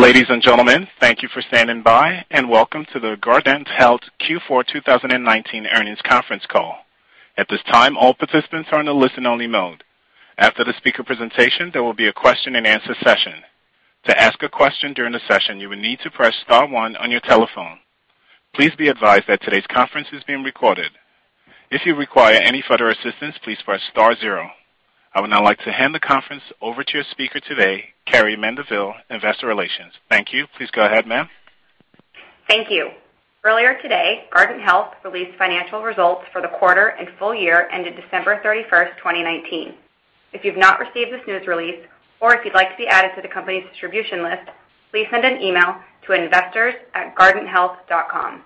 Ladies and gentlemen, thank you for standing by, welcome to the Guardant Health Q4 2019 Earnings conference call. At this time, all participants are in a listen-only mode. After the speaker presentation, there will be a question-and-answer session. To ask a question during the session, you will need to press star one on your telephone. Please be advised that today's conference is being recorded. If you require any further assistance, please press star zero. I would now like to hand the conference over to your speaker today, Carrie Mendivil, Investor Relations. Thank you. Please go ahead, ma'am. Thank you. Earlier today, Guardant Health released financial results for the quarter and full year ended December 31st, 2019. If you've not received this news release, or if you'd like to be added to the company's distribution list, please send an email to investors@guardanthealth.com.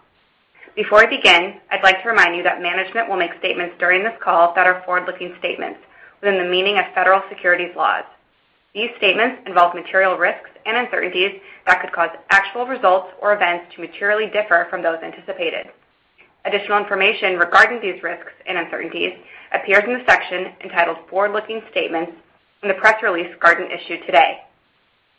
Before I begin, I'd like to remind you that management will make statements during this call that are forward-looking statements within the meaning of federal securities laws. These statements involve material risks and uncertainties that could cause actual results or events to materially differ from those anticipated. Additional information regarding these risks and uncertainties appears in the section entitled Forward-Looking Statements in the press release Guardant issued today.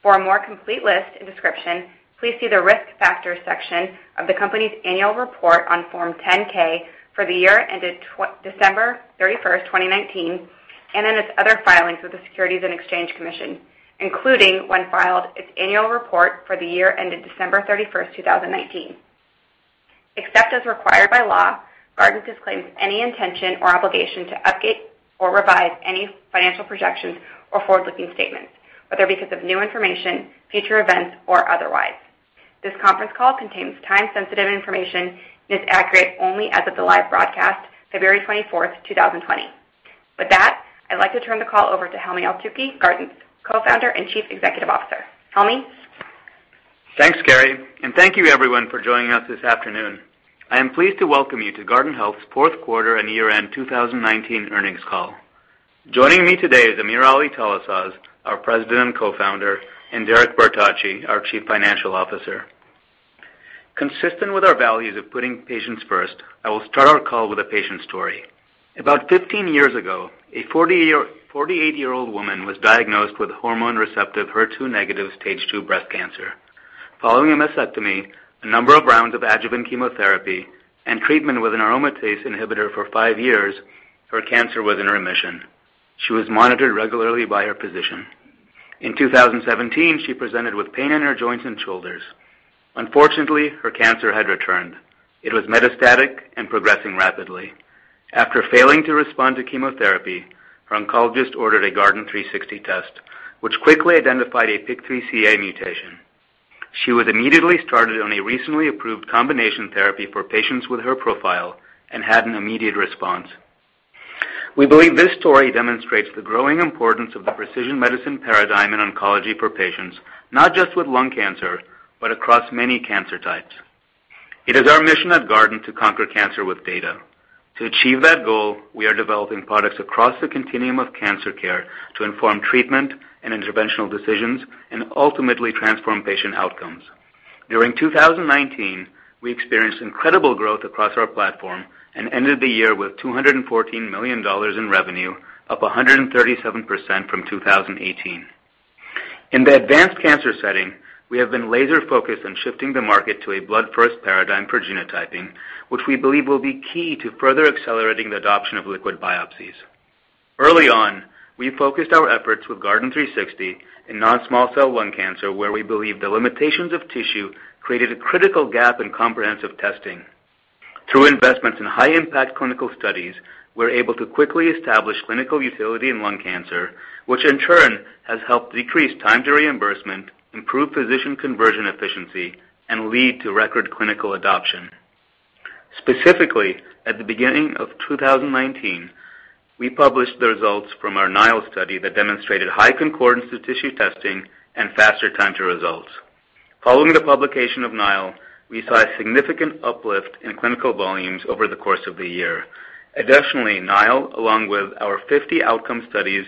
For a more complete list and description, please see the Risk Factors section of the company's annual report on Form 10-K for the year ended December 31st, 2019, and in its other filings with the Securities and Exchange Commission, including when filed its annual report for the year ended December 31st, 2019. Except as required by law, Guardant disclaims any intention or obligation to update or revise any financial projections or forward-looking statements, whether because of new information, future events, or otherwise. This conference call contains time-sensitive information and is accurate only as of the live broadcast, February 24th, 2020. With that, I'd like to turn the call over to Helmy Eltoukhy, Guardant's Co-Founder and Chief Executive Officer. Helmy? Thanks, Carrie, and thank you everyone for joining us this afternoon. I am pleased to welcome you to Guardant Health's fourth quarter and year-end 2019 earnings call. Joining me today is AmirAli Talasaz, our president and co-founder, and Derek Bertocci, our chief financial officer. Consistent with our values of putting patients first, I will start our call with a patient story. About 15 years ago, a 48-year-old woman was diagnosed with hormone receptive HER2 negative stage two breast cancer. Following a mastectomy, a number of rounds of adjuvant chemotherapy, and treatment with an aromatase inhibitor for five years, her cancer was in remission. She was monitored regularly by her physician. In 2017, she presented with pain in her joints and shoulders. Unfortunately, her cancer had returned. It was metastatic and progressing rapidly. After failing to respond to chemotherapy, her oncologist ordered a Guardant360 test, which quickly identified a PIK3CA mutation. She was immediately started on a recently approved combination therapy for patients with her profile and had an immediate response. We believe this story demonstrates the growing importance of the precision medicine paradigm in oncology for patients, not just with lung cancer, but across many cancer types. It is our mission at Guardant to conquer cancer with data. To achieve that goal, we are developing products across the continuum of cancer care to inform treatment and interventional decisions and ultimately transform patient outcomes. During 2019, we experienced incredible growth across our platform and ended the year with $214 million in revenue, up 137% from 2018. In the advanced cancer setting, we have been laser-focused on shifting the market to a blood-first paradigm for genotyping, which we believe will be key to further accelerating the adoption of liquid biopsies. Early on, we focused our efforts with Guardant360 in non-small cell lung cancer, where we believe the limitations of tissue created a critical gap in comprehensive testing. Through investments in high-impact clinical studies, we're able to quickly establish clinical utility in lung cancer, which in turn has helped decrease time to reimbursement, improve physician conversion efficiency, and lead to record clinical adoption. Specifically, at the beginning of 2019, we published the results from our NILE study that demonstrated high concordance to tissue testing and faster time to results. Following the publication of NILE, we saw a significant uplift in clinical volumes over the course of the year. Additionally, NILE, along with our 50 outcome studies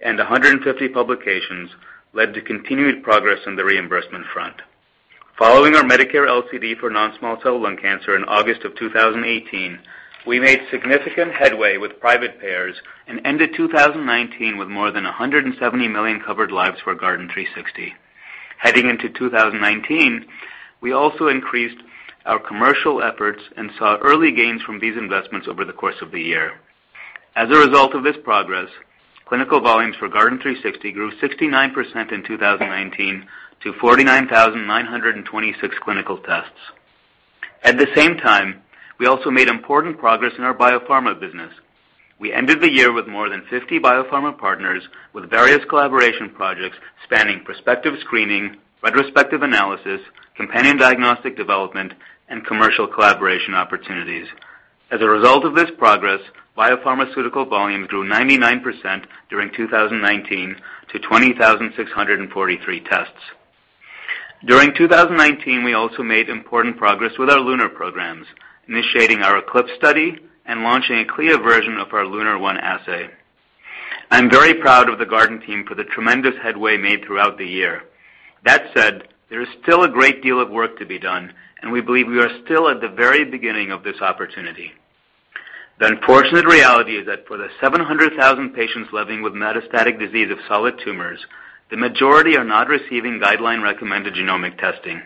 and 150 publications, led to continued progress on the reimbursement front. Following our Medicare LCD for non-small cell lung cancer in August of 2018, we made significant headway with private payers and ended 2019 with more than 170 million covered lives for Guardant360. Heading into 2019, we also increased our commercial efforts and saw early gains from these investments over the course of the year. As a result of this progress, clinical volumes for Guardant360 grew 69% in 2019 to 49,926 clinical tests. At the same time, we also made important progress in our biopharma business. We ended the year with more than 50 biopharma partners with various collaboration projects spanning prospective screening, retrospective analysis, companion diagnostic development, and commercial collaboration opportunities. As a result of this progress, biopharmaceutical volumes grew 99% during 2019 to 20,643 tests. During 2019, we also made important progress with our Lunar programs, initiating our ECLIPSE study and launching a CLIA version of our LUNAR-1 assay. I'm very proud of the Guardant team for the tremendous headway made throughout the year. That said, there is still a great deal of work to be done, and we believe we are still at the very beginning of this opportunity. The unfortunate reality is that for the 700,000 patients living with metastatic disease of solid tumors, the majority are not receiving guideline-recommended genomic testing.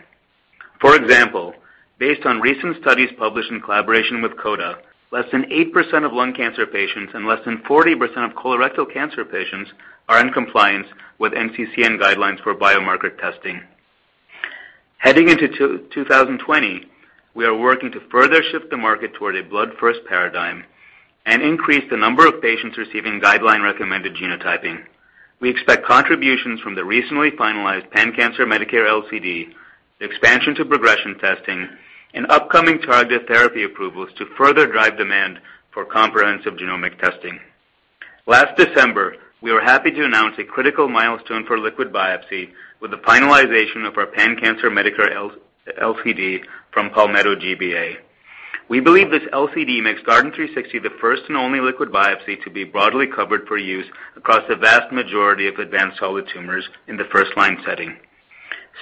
For example, based on recent studies published in collaboration with COTA, less than 8% of lung cancer patients and less than 40% of colorectal cancer patients are in compliance with NCCN guidelines for biomarker testing. Heading into 2020, we are working to further shift the market toward a blood-first paradigm and increase the number of patients receiving guideline-recommended genotyping. We expect contributions from the recently finalized pan-cancer Medicare LCD, the expansion to progression testing, and upcoming targeted therapy approvals to further drive demand for comprehensive genomic testing. Last December, we were happy to announce a critical milestone for liquid biopsy with the finalization of our pan-cancer Medicare LCD from Palmetto GBA. We believe this LCD makes Guardant360 the first and only liquid biopsy to be broadly covered for use across the vast majority of advanced solid tumors in the first-line setting.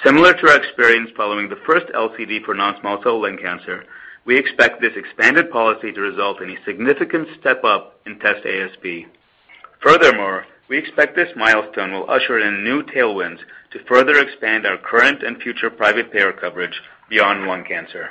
Similar to our experience following the first LCD for non-small cell lung cancer, we expect this expanded policy to result in a significant step up in test ASP. Furthermore, we expect this milestone will usher in new tailwinds to further expand our current and future private payer coverage beyond lung cancer.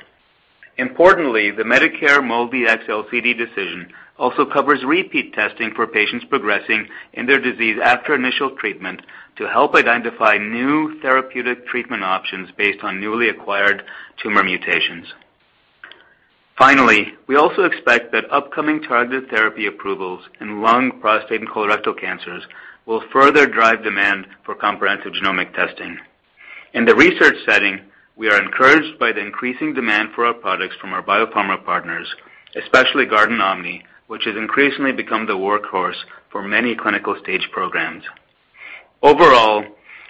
Importantly, the Medicare MolDx LCD decision also covers repeat testing for patients progressing in their their disease after initial treatment to help identify new therapeutic treatment options based on newly acquired tumor mutations. Finally, we also expect that upcoming targeted therapy approvals in lung, prostate, and colorectal cancers will further drive demand for comprehensive genomic testing. In the research setting, we are encouraged by the increasing demand for our products from our biopharma partners, especially guardantOMNI, which has increasingly become the workhorse for many clinical stage programs. Overall,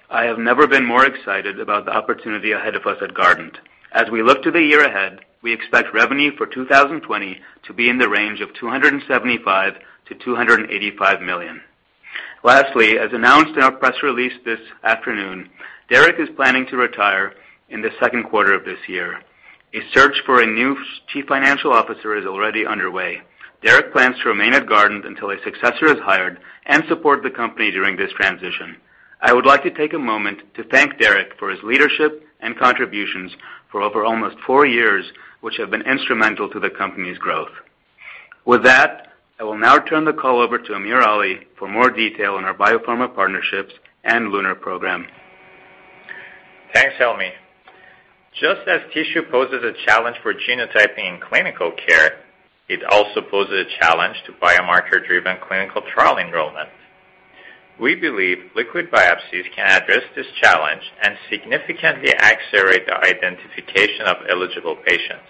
I have never been more excited about the opportunity ahead of us at Guardant. As we look to the year ahead, we expect revenue for 2020 to be in the range of $275 million-$285 million. Lastly, as announced in our press release this afternoon, Derek is planning to retire in the second quarter of this year. A search for a new Chief Financial Officer is already underway. Derek plans to remain at Guardant until a successor is hired and support the company during this transition. I would like to take a moment to thank Derek for his leadership and contributions for over almost four years, which have been instrumental to the company's growth. With that, I will now turn the call over to AmirAli for more detail on our biopharma partnerships and Lunar program. Thanks, Helmy. Just as tissue poses a challenge for genotyping in clinical care, it also poses a challenge to biomarker-driven clinical trial enrollment. We believe liquid biopsies can address this challenge and significantly accelerate the identification of eligible patients.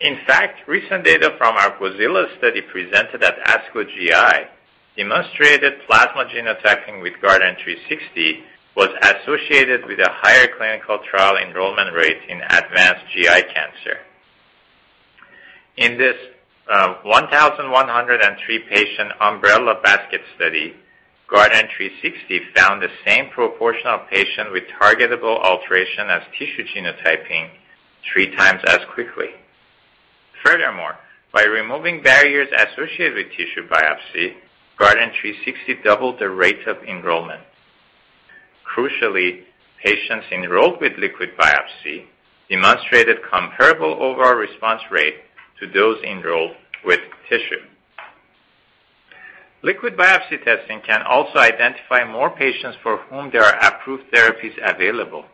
In fact, recent data from our NILE study presented at ASCO GI demonstrated plasma genotyping with Guardant360 was associated with a higher clinical trial enrollment rate in advanced GI cancer. In this 1,103-patient umbrella basket study, Guardant360 found the same proportion of patients with targetable alteration as tissue genotyping three times as quickly. Furthermore, by removing barriers associated with tissue biopsy, Guardant360 doubled the rate of enrollment. Crucially, patients enrolled with liquid biopsy demonstrated comparable overall response rate to those enrolled with tissue. Liquid biopsy testing can also identify more patients for whom there are approved therapies available.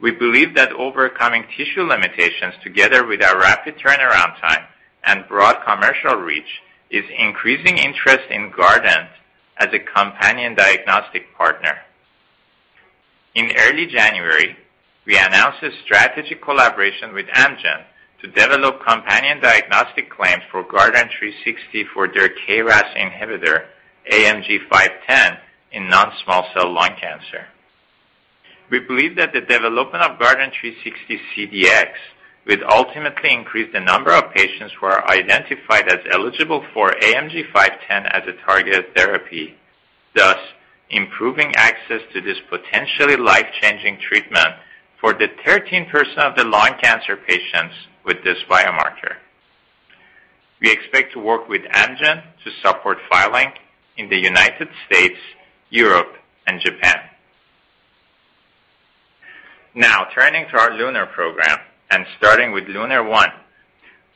We believe that overcoming tissue limitations, together with our rapid turnaround time and broad commercial reach, is increasing interest in Guardant as a companion diagnostic partner. In early January, we announced a strategic collaboration with Amgen to develop companion diagnostic claims for Guardant360 for their KRAS inhibitor, AMG 510, in non-small cell lung cancer. We believe that the development of Guardant360 CDx will ultimately increase the number of patients who are identified as eligible for AMG 510 as a targeted therapy, thus improving access to this potentially life-changing treatment for the 13% of the lung cancer patients with this biomarker. We expect to work with Amgen to support filing in the United States, Europe, and Japan. Now, turning to our Lunar program and starting with LUNAR-1,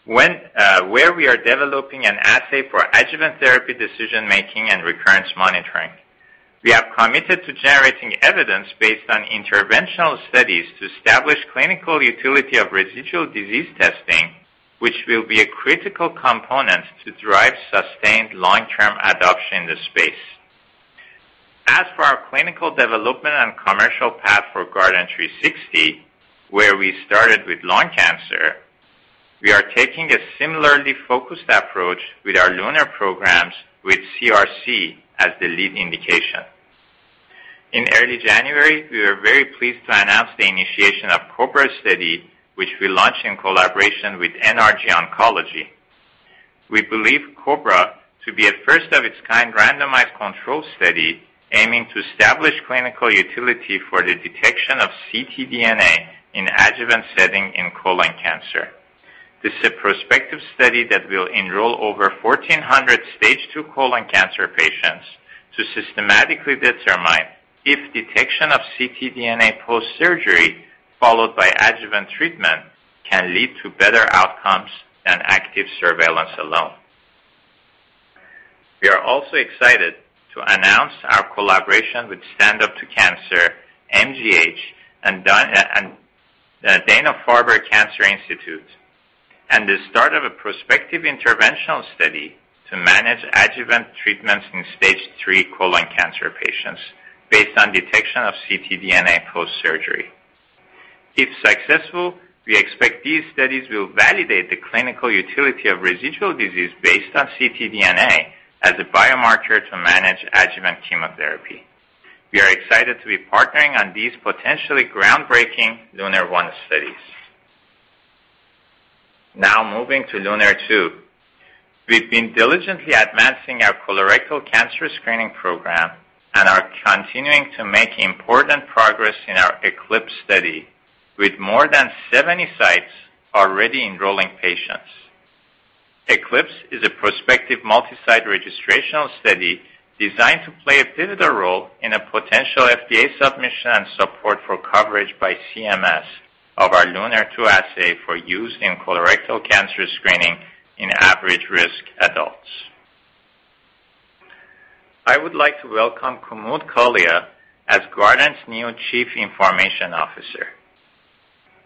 where we are developing an assay for adjuvant therapy decision-making and recurrence monitoring. We have committed to generating evidence based on interventional studies to establish clinical utility of residual disease testing, which will be a critical component to drive sustained long-term adoption in the space. Our clinical development and commercial path for Guardant360, where we started with lung cancer, we are taking a similarly focused approach with our Lunar programs with CRC as the lead indication. In early January, we were very pleased to announce the initiation of COBRA study, which we launched in collaboration with NRG Oncology. We believe COBRA to be a first of its kind randomized control study aiming to establish clinical utility for the detection of ctDNA in adjuvant setting in colon cancer. This is a prospective study that will enroll over 1,400 stage two colon cancer patients to systematically determine if detection of ctDNA post-surgery followed by adjuvant treatment can lead to better outcomes than active surveillance alone. We are also excited to announce our collaboration with Stand Up To Cancer, MGH, and Dana-Farber Cancer Institute, and the start of a prospective interventional study to manage adjuvant treatments in stage three colon cancer patients based on detection of ctDNA post-surgery. If successful, we expect these studies will validate the clinical utility of residual disease based on ctDNA as a biomarker to manage adjuvant chemotherapy. We are excited to be partnering on these potentially groundbreaking LUNAR-1 studies. Moving to LUNAR-2. We've been diligently advancing our colorectal cancer screening program and are continuing to make important progress in our ECLIPSE study, with more than 70 sites already enrolling patients. ECLIPSE is a prospective multi-site registrational study designed to play a pivotal role in a potential FDA submission and support for coverage by CMS of our LUNAR-2 assay for use in colorectal cancer screening in average risk adults. I would like to welcome Kumud Kalia as Guardant Health's new Chief Information Officer.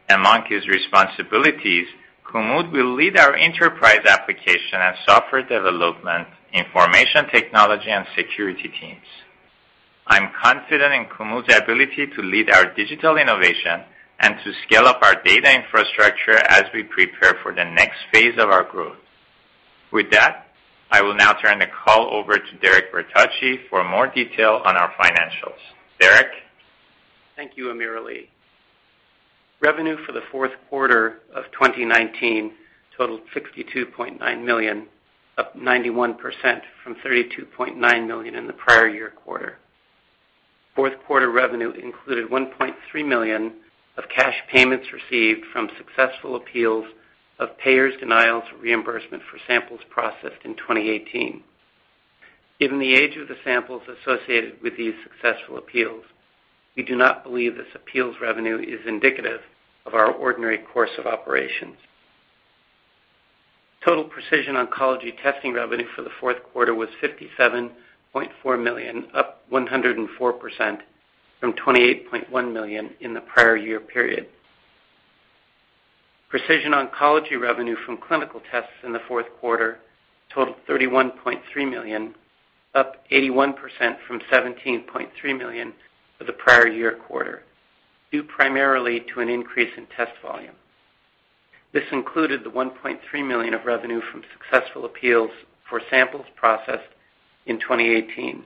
Among his responsibilities, Kumud will lead our enterprise application and software development, information technology, and security teams. I'm confident in Kumud's ability to lead our digital innovation and to scale up our data infrastructure as we prepare for the next phase of our growth. With that, I will now turn the call over to Derek Bertocci for more detail on our financials. Derek? Thank you, AmirAli. Revenue for the fourth quarter of 2019 totaled $62.9 million, up 91% from $32.9 million in the prior year quarter. Fourth quarter revenue included $1.3 million of cash payments received from successful appeals of payers' denials of reimbursement for samples processed in 2018. Given the age of the samples associated with these successful appeals, we do not believe this appeals revenue is indicative of our ordinary course of operations. Total precision oncology testing revenue for the fourth quarter was $57.4 million, up 104% from $28.1 million in the prior year period. Precision oncology revenue from clinical tests in the fourth quarter totaled $31.3 million, up 81% from $17.3 million for the prior year quarter, due primarily to an increase in test volume. This included the $1.3 million of revenue from successful appeals for samples processed in 2018.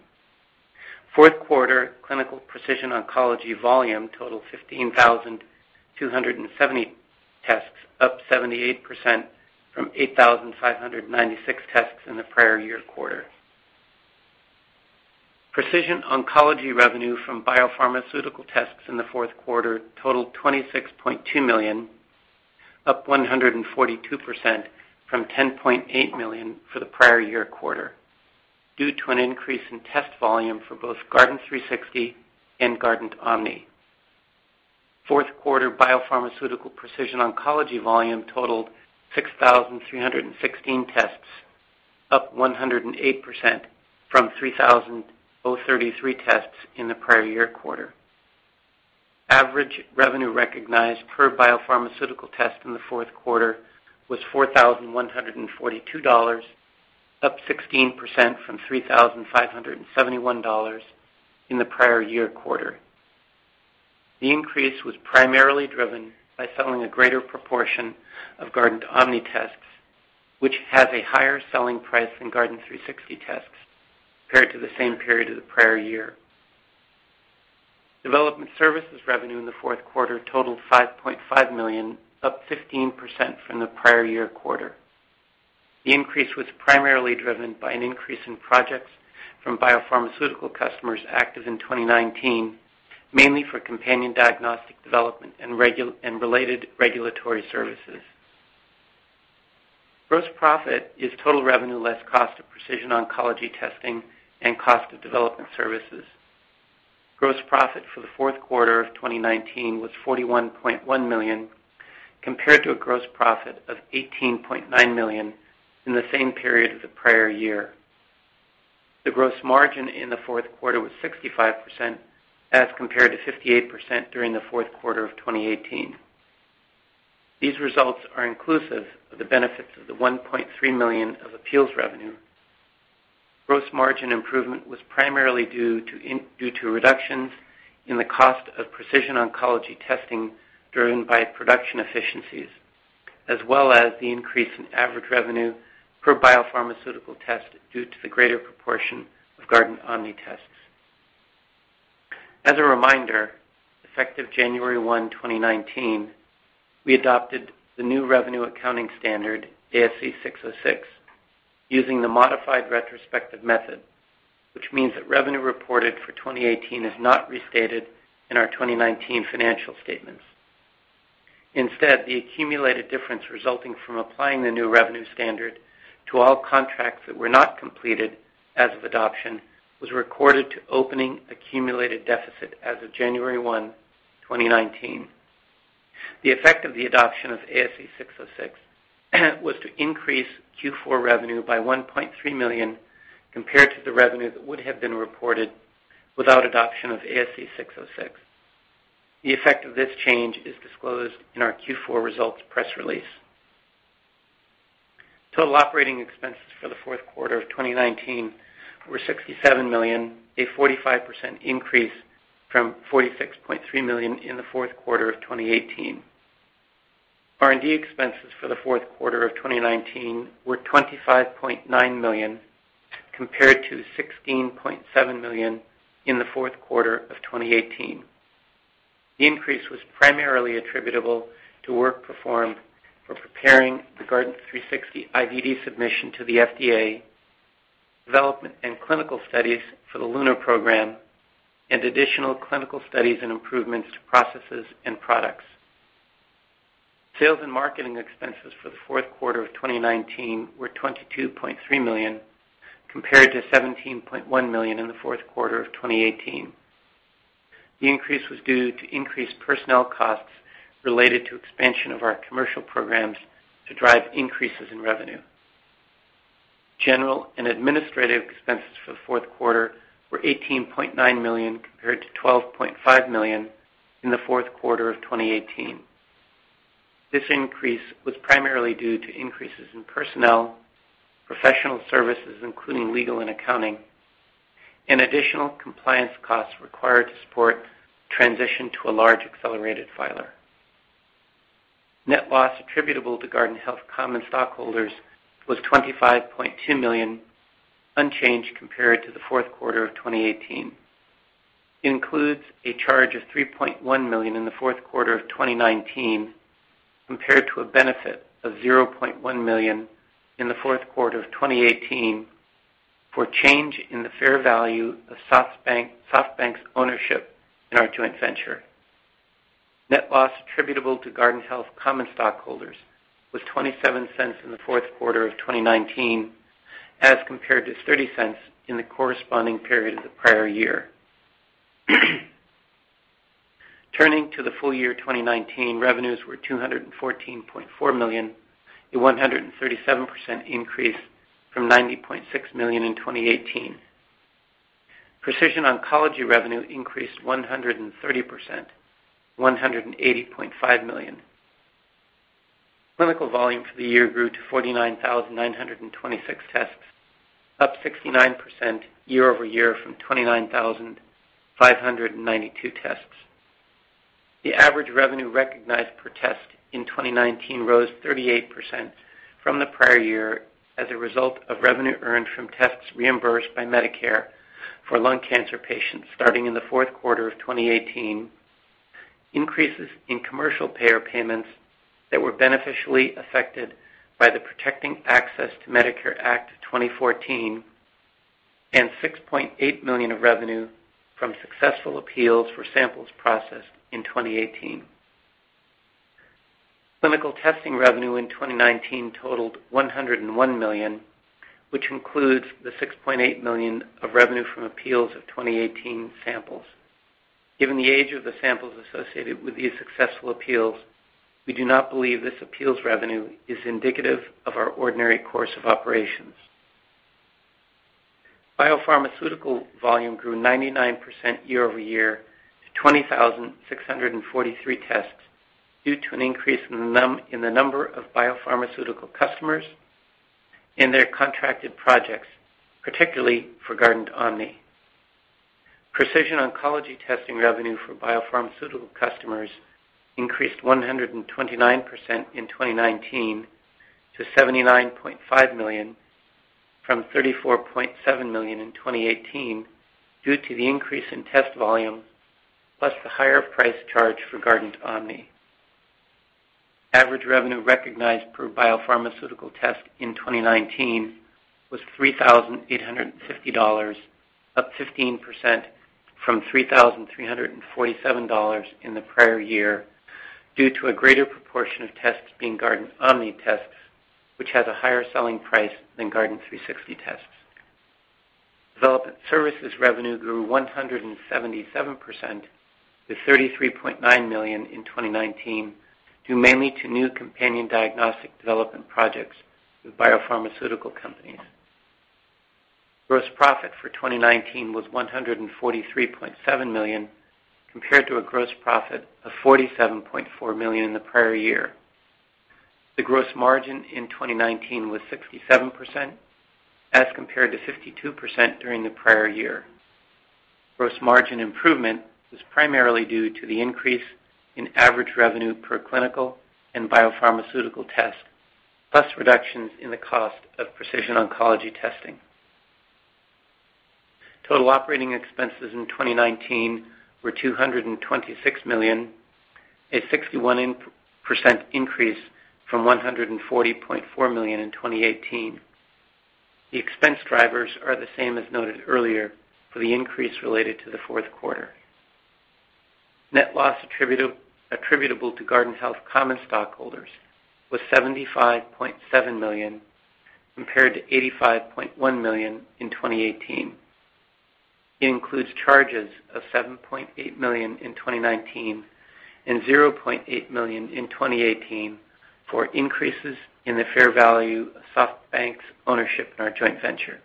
Fourth quarter clinical precision oncology volume totaled 15,270 tests, up 78% from 8,596 tests in the prior year quarter. Precision oncology revenue from biopharmaceutical tests in the fourth quarter totaled $26.2 million, up 142% from $10.8 million for the prior year quarter, due to an increase in test volume for both Guardant360 and guardantOMNI. Fourth quarter biopharmaceutical precision oncology volume totaled 6,316 tests, up 108% from 3,033 tests in the prior year quarter. Average revenue recognized per biopharmaceutical test in the fourth quarter was $4,142, up 16% from $3,571 in the prior year quarter. The increase was primarily driven by selling a greater proportion of guardantOMNI tests, which has a higher selling price than Guardant360 tests compared to the same period of the prior year. Development services revenue in the fourth quarter totaled $5.5 million, up 15% from the prior year quarter. The increase was primarily driven by an increase in projects from biopharmaceutical customers active in 2019, mainly for companion diagnostic development and related regulatory services. Gross profit is total revenue less cost of precision oncology testing and cost of development services. Gross profit for the fourth quarter of 2019 was $41.1 million, compared to a gross profit of $18.9 million in the same period of the prior year. The gross margin in the fourth quarter was 65%, as compared to 58% during the fourth quarter of 2018. These results are inclusive of the benefits of the $1.3 million of appeals revenue. Gross margin improvement was primarily due to reductions in the cost of precision oncology testing driven by production efficiencies, as well as the increase in average revenue per biopharmaceutical test due to the greater proportion of guardantOMNI tests. As a reminder, effective January 1, 2019, we adopted the new revenue accounting standard, ASC 606, using the modified retrospective method, which means that revenue reported for 2018 is not restated in our 2019 financial statements. The accumulated difference resulting from applying the new revenue standard to all contracts that were not completed as of adoption was recorded to opening accumulated deficit as of January 1, 2019. The effect of the adoption of ASC 606 was to increase Q4 revenue by $1.3 million compared to the revenue that would have been reported without adoption of ASC 606. The effect of this change is disclosed in our Q4 results press release. Total operating expenses for the fourth quarter of 2019 were $67 million, a 45% increase from $46.3 million in the fourth quarter of 2018. R&D expenses for the fourth quarter of 2019 were $25.9 million, compared to $16.7 million in the fourth quarter of 2018. The increase was primarily attributable to work performed for preparing the Guardant360 IVD submission to the FDA, development and clinical studies for the LUNAR program, and additional clinical studies and improvements to processes and products. Sales and marketing expenses for the fourth quarter of 2019 were $22.3 million, compared to $17.1 million in the fourth quarter of 2018. The increase was due to increased personnel costs related to expansion of our commercial programs to drive increases in revenue. General and administrative expenses for the fourth quarter were $18.9 million, compared to $12.5 million in the fourth quarter of 2018. This increase was primarily due to increases in personnel, professional services, including legal and accounting, and additional compliance costs required to support transition to a large accelerated filer. Net loss attributable to Guardant Health common stockholders was $25.2 million, unchanged compared to the fourth quarter of 2018. Includes a charge of $3.1 million in the fourth quarter of 2019, compared to a benefit of $0.1 million in the fourth quarter of 2018 for change in the fair value of SoftBank's ownership in our joint venture. Net loss attributable to Guardant Health common stockholders was $0.27 in the fourth quarter of 2019 as compared to $0.30 in the corresponding period of the prior year. Turning to the full year 2019, revenues were $214.4 million, a 137% increase from $90.6 million in 2018. Precision oncology revenue increased 130%, $180.5 million. Clinical volume for the year grew to 49,926 tests, up 69% year-over-year from 29,592 tests. The average revenue recognized per test in 2019 rose 38% from the prior year as a result of revenue earned from tests reimbursed by Medicare for lung cancer patients starting in the fourth quarter of 2018, increases in commercial payer payments that were beneficially affected by the Protecting Access to Medicare Act of 2014, and $6.8 million of revenue from successful appeals for samples processed in 2018. Clinical testing revenue in 2019 totaled $101 million, which includes the $6.8 million of revenue from appeals of 2018 samples. Given the age of the samples associated with these successful appeals, we do not believe this appeals revenue is indicative of our ordinary course of operations. Biopharmaceutical volume grew 99% year-over-year to 20,643 tests due to an increase in the number of biopharmaceutical customers and their contracted projects, particularly for guardantOMNI. Precision oncology testing revenue for biopharmaceutical customers increased 129% in 2019 to $79.5 million, from $34.7 million in 2018, due to the increase in test volume, plus the higher price charged for guardantOMNI. Average revenue recognized per biopharmaceutical test in 2019 was $3,850, up 15% from $3,347 in the prior year due to a greater proportion of tests being guardantOMNI tests, which has a higher selling price than Guardant360 tests. Development services revenue grew 177% to $33.9 million in 2019, due mainly to new companion diagnostic development projects with biopharmaceutical companies. Gross profit for 2019 was $143.7 million, compared to a gross profit of $47.4 million in the prior year. The gross margin in 2019 was 67%, as compared to 52% during the prior year. Gross margin improvement was primarily due to the increase in average revenue per clinical and biopharmaceutical test. Plus reductions in the cost of precision oncology testing. Total operating expenses in 2019 were $226 million, a 61% increase from $140.4 million in 2018. The expense drivers are the same as noted earlier for the increase related to the fourth quarter. Net loss attributable to Guardant Health common stockholders was $75.7 million, compared to $85.1 million in 2018. It includes charges of $7.8 million in 2019 and $0.8 million in 2018 for increases in the fair value of SoftBank's ownership in our joint venture.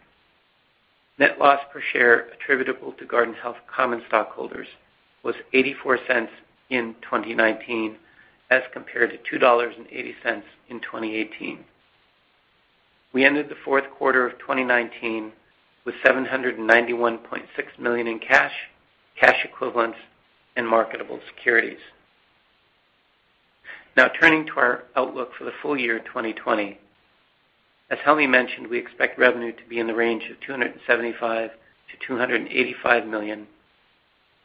Net loss per share attributable to Guardant Health common stockholders was $0.84 in 2019 as compared to $2.80 in 2018. We ended the fourth quarter of 2019 with $791.6 million in cash equivalents, and marketable securities. Turning to our outlook for the full year 2020. As Helmy mentioned, we expect revenue to be in the range of $275 million-$285 million,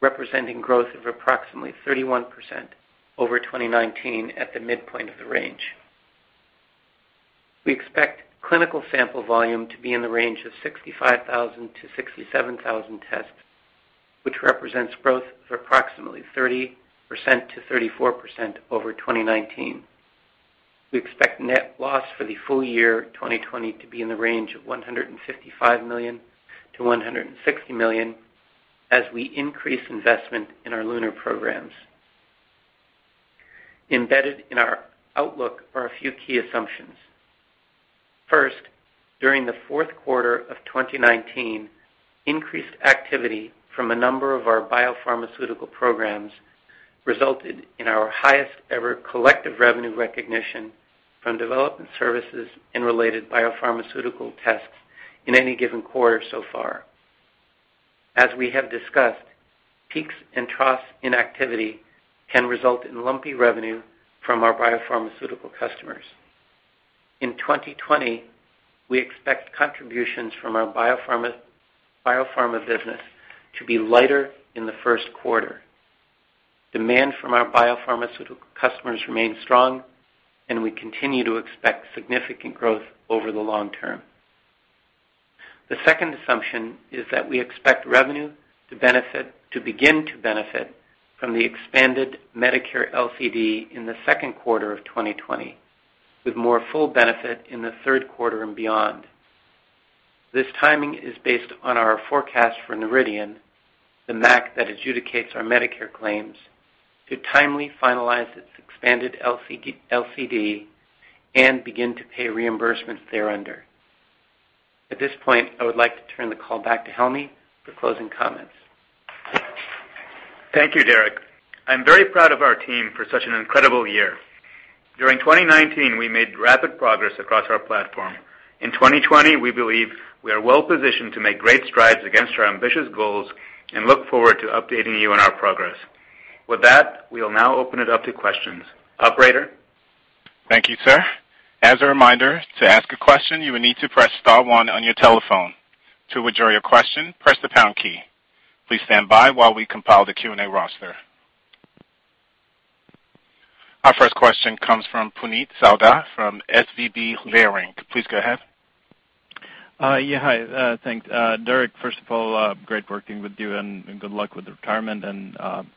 representing growth of approximately 31% over 2019 at the midpoint of the range. We expect clinical sample volume to be in the range of 65,000-67,000 tests, which represents growth of approximately 30%-34% over 2019. We expect net loss for the full year 2020 to be in the range of $155 million-$160 million as we increase investment in our Lunar programs. Embedded in our outlook are a few key assumptions. First, during the fourth quarter of 2019, increased activity from a number of our biopharmaceutical programs resulted in our highest ever collective revenue recognition from development services and related biopharmaceutical tests in any given quarter so far. As we have discussed, peaks and troughs in activity can result in lumpy revenue from our biopharmaceutical customers. In 2020, we expect contributions from our biopharma business to be lighter in the first quarter. Demand from our biopharmaceutical customers remains strong, and we continue to expect significant growth over the long term. The second assumption is that we expect revenue to begin to benefit from the expanded Medicare LCD in the second quarter of 2020, with more full benefit in the third quarter and beyond. This timing is based on our forecast for Noridian, the MAC that adjudicates our Medicare claims, to timely finalize its expanded LCD and begin to pay reimbursements thereunder. At this point, I would like to turn the call back to Helmy for closing comments. Thank you, Derek. I'm very proud of our team for such an incredible year. During 2019, we made rapid progress across our platform. In 2020, we believe we are well-positioned to make great strides against our ambitious goals and look forward to updating you on our progress. With that, we will now open it up to questions. Operator? Thank you, sir. As a reminder, to ask a question, you will need to press star one on your telephone. To withdraw your question, press the pound key. Please stand by while we compile the Q&A roster. Our first question comes from Puneet Souda from SVB Leerink. Please go ahead. Yeah, hi. Thanks. Derek, first of all, great working with you, and good luck with retirement.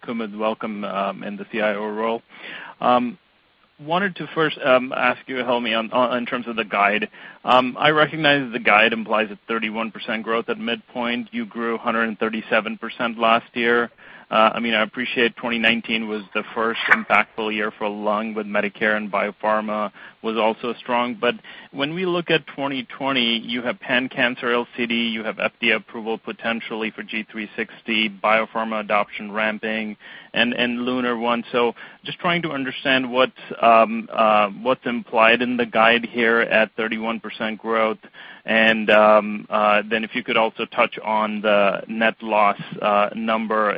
Kumud, welcome in the CIO role. Wanted to first ask you, Helmy, in terms of the guide. I recognize the guide implies a 31% growth at midpoint. You grew 137% last year. I appreciate 2019 was the first impactful year for lung with Medicare, and biopharma was also strong. When we look at 2020, you have pan-cancer LCD, you have FDA approval potentially for Guardant360, biopharma adoption ramping, and LUNAR-1. Just trying to understand what's implied in the guide here at 31% growth. Then if you could also touch on the net loss number.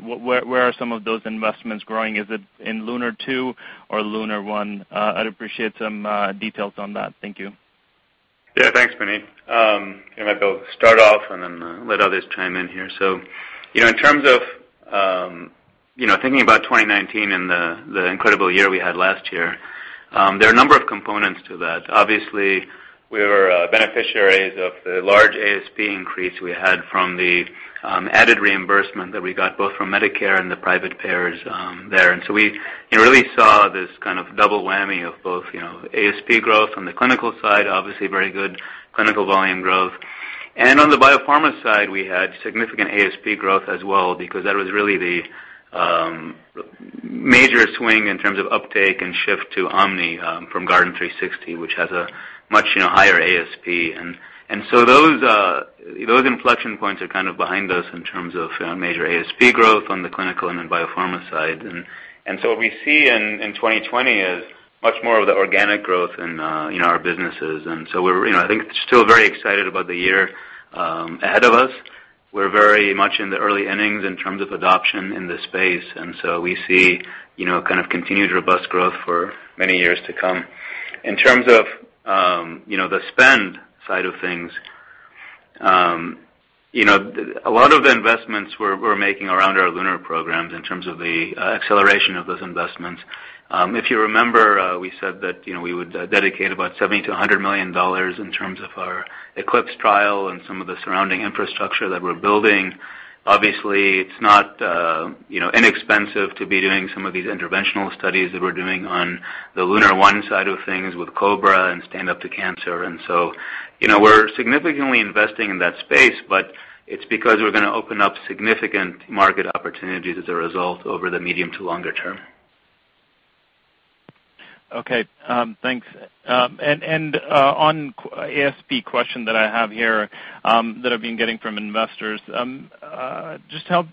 Where are some of those investments growing? Is it in LUNAR-2 or LUNAR-1? I'd appreciate some details on that. Thank you. Yeah, thanks, Puneet. I might be able to start off and then let others chime in here. In terms of thinking about 2019 and the incredible year we had last year, there are a number of components to that. Obviously, we were beneficiaries of the large ASP increase we had from the added reimbursement that we got both from Medicare and the private payers there. We really saw this kind of double whammy of both ASP growth from the clinical side, obviously very good clinical volume growth. On the biopharma side, we had significant ASP growth as well because that was really the major swing in terms of uptake and shift to guardantOMNI from Guardant360, which has a much higher ASP. Those inflection points are kind of behind us in terms of major ASP growth on the clinical and then biopharma side. What we see in 2020 is much more of the organic growth in our businesses. I think still very excited about the year ahead of us. We're very much in the early innings in terms of adoption in this space, and so we see continued robust growth for many years to come. In terms of the spend side of things, a lot of investments we're making around our LUNAR programs in terms of the acceleration of those investments. If you remember, we said that we would dedicate about $70 million-$100 million in terms of our ECLIPSE study and some of the surrounding infrastructure that we're building. Obviously, it's not inexpensive to be doing some of these interventional studies that we're doing on the LUNAR-1 side of things with COBRA and Stand Up To Cancer. We're significantly investing in that space, but it's because we're going to open up significant market opportunities as a result over the medium to longer term. Okay, thanks. On ASP question that I have here that I've been getting from investors, just help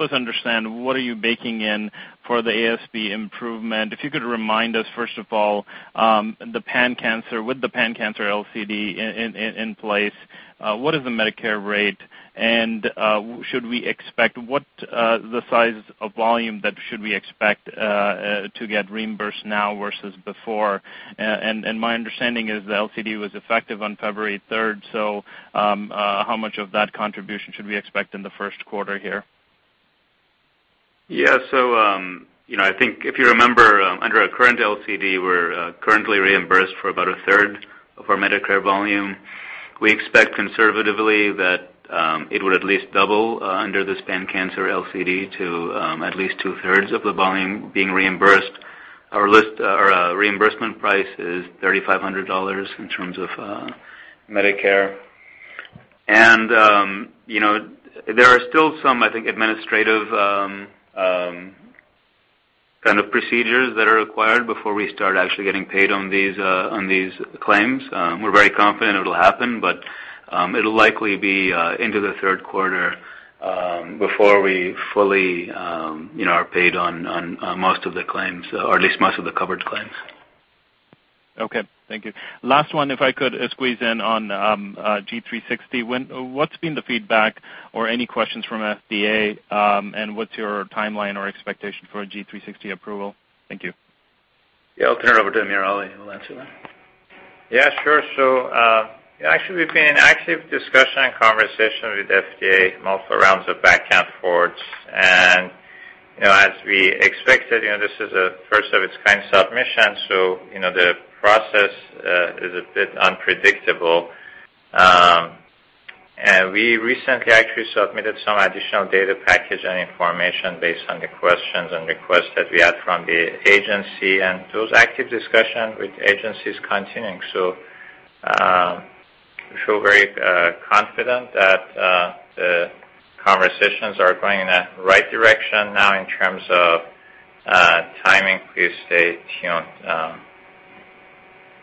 us understand what are you baking in for the ASP improvement. If you could remind us, first of all, with the pan cancer LCD in place, what is the Medicare rate? What the size of volume that should we expect to get reimbursed now versus before? My understanding is the LCD was effective on February 3rd, so how much of that contribution should we expect in the first quarter here? I think if you remember, under our current LCD, we're currently reimbursed for about a third of our Medicare volume. We expect conservatively that it would at least double under this pan cancer LCD to at least two-thirds of the volume being reimbursed. Our reimbursement price is $3,500 in terms of Medicare. There are still some, I think, administrative kind of procedures that are required before we start actually getting paid on these claims. We're very confident it'll happen, it'll likely be into the third quarter before we fully are paid on most of the claims or at least most of the covered claims. Okay, thank you. Last one, if I could squeeze in on Guardant360. What's been the feedback or any questions from FDA, and what's your timeline or expectation for a Guardant360 approval? Thank you. Yeah, I'll turn it over to AmirAli, and he'll answer that. Yeah, sure. Actually, we've been in active discussion and conversation with FDA, multiple rounds of back-and-forths. As we expected, this is a first-of-its-kind submission, so the process is a bit unpredictable. We recently actually submitted some additional data package and information based on the questions and requests that we had from the agency, and those active discussions with the agency is continuing. We feel very confident that the conversations are going in the right direction now in terms of timing. Please stay tuned.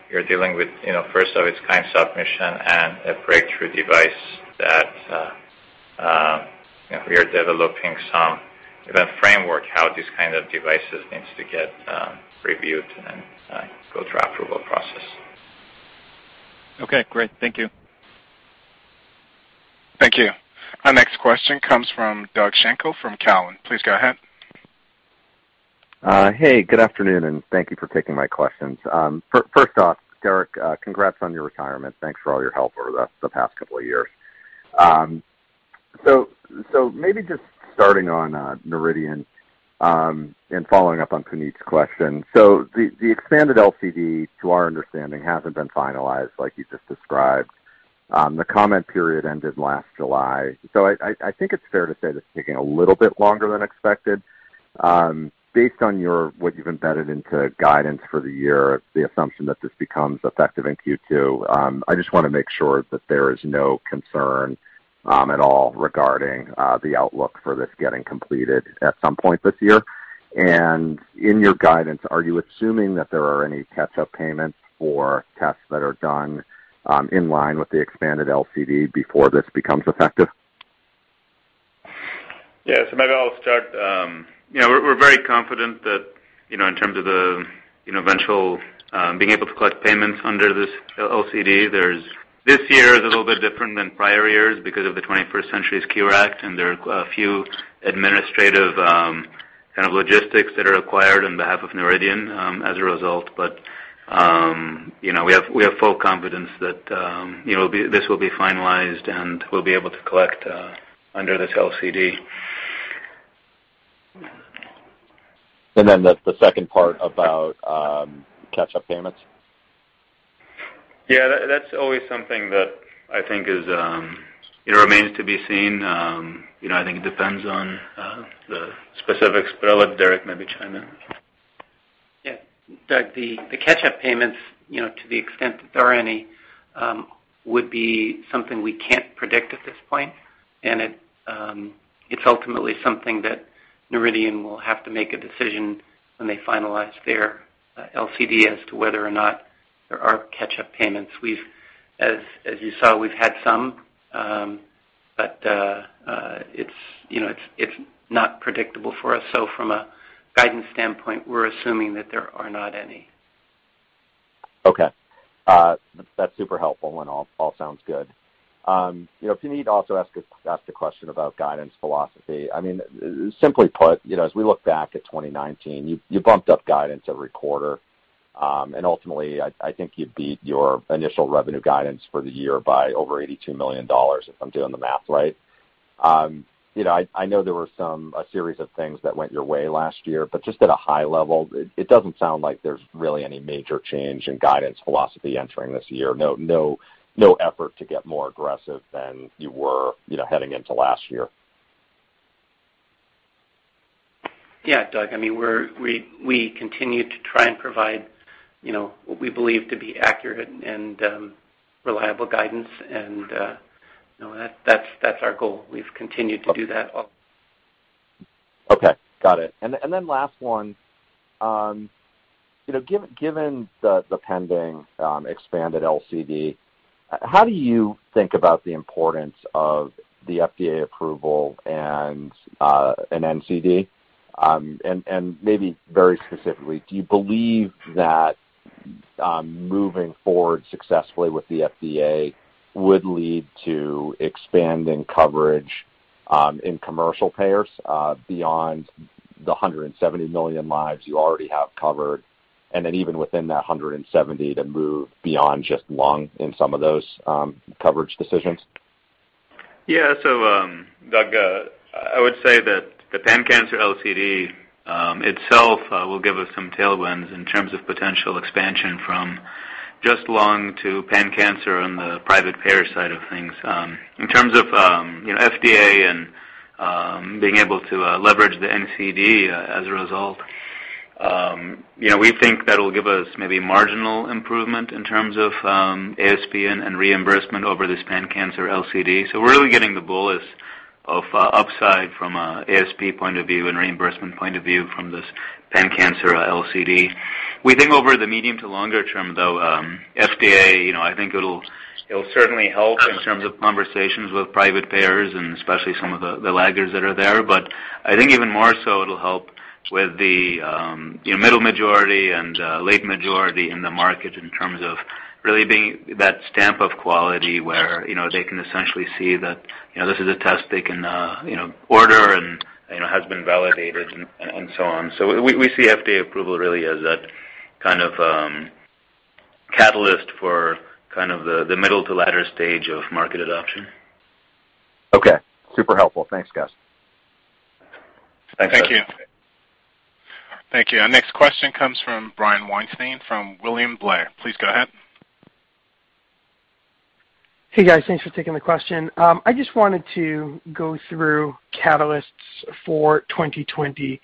We are dealing with first-of-its-kind submission and a breakthrough device that we are developing some event framework how these kind of devices needs to get reviewed and go through approval process. Okay, great. Thank you. Thank you. Our next question comes from Doug Schenkel from Cowen. Please go ahead. Hey, good afternoon, thank you for taking my questions. First off, Derek, congrats on your retirement. Thanks for all your help over the past couple of years. Maybe just starting on Noridian, and following up on Puneet's question. The expanded LCD, to our understanding, hasn't been finalized like you just described. The comment period ended last July. I think it's fair to say that it's taking a little bit longer than expected. Based on what you've embedded into guidance for the year, the assumption that this becomes effective in Q2, I just want to make sure that there is no concern at all regarding the outlook for this getting completed at some point this year. In your guidance, are you assuming that there are any catch-up payments for tests that are done in line with the expanded LCD before this becomes effective? Maybe I'll start. We're very confident that in terms of the eventual being able to collect payments under this LCD. This year is a little bit different than prior years because of the 21st Century Cures Act, and there are a few administrative kind of logistics that are required on behalf of Noridian as a result. We have full confidence that this will be finalized and we'll be able to collect under this LCD. And then the second part about catch-up payments? Yeah, that's always something that I think remains to be seen. I think it depends on the specifics, but I'll let Derek maybe chime in. Yeah. Doug, the catch-up payments, to the extent that there are any, would be something we can't predict at this point, and it's ultimately something that Noridian will have to make a decision when they finalize their LCD as to whether or not there are catch-up payments. As you saw, we've had some, but it's not predictable for us. From a guidance standpoint, we're assuming that there are not any. Okay. That's super helpful and all sounds good. If you need to also ask the question about guidance philosophy, simply put, as we look back at 2019, you bumped up guidance every quarter, and ultimately, I think you beat your initial revenue guidance for the year by over $82 million, if I'm doing the math right. I know there were a series of things that went your way last year, but just at a high level, it doesn't sound like there's really any major change in guidance philosophy entering this year. No effort to get more aggressive than you were heading into last year. Yeah, Doug. We continue to try and provide what we believe to be accurate and reliable guidance and that's our goal. We've continued to do that. Okay. Got it. Last one. Given the pending expanded LCD, how do you think about the importance of the FDA approval and an NCD? Maybe very specifically, do you believe that moving forward successfully with the FDA would lead to expanding coverage in commercial payers beyond the 170 million lives you already have covered, then even within that 170, to move beyond just lung in some of those coverage decisions? Yeah. Doug, I would say that the pan cancer LCD itself will give us some tailwinds in terms of potential expansion from just lung to pan cancer on the private payer side of things. In terms of FDA and being able to leverage the NCD as a result, we think that'll give us maybe marginal improvement in terms of ASP and reimbursement over this pan cancer LCD. We're really getting the bulk of upside from a ASP point of view and reimbursement point of view from this pan cancer LCD. We think over the medium to longer term, though, FDA, I think it'll certainly help in terms of conversations with private payers and especially some of the laggers that are there. I think even more so it'll help with the middle majority and late majority in the market in terms of really being that stamp of quality where they can essentially see that this is a test they can order and has been validated and so on. We see FDA approval really as that kind of catalyst for the middle to latter stage of market adoption. Okay. Super helpful. Thanks, guys. Thanks, Doug. Thank you. Thank you. Our next question comes from Brian Weinstein from William Blair. Please go ahead. Hey, guys. Thanks for taking the question. I just wanted to go through catalysts for 2020.